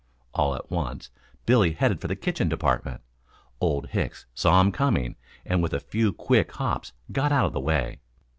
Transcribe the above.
All at once Billy headed for the kitchen department. Old Hicks saw him coming and with a few quick hops got out of the way.